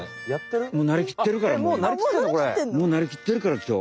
もうなりきってんの？もうなりきってるからきょう。